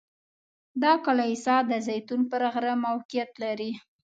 دا کلیسا د زیتون پر غره موقعیت لري.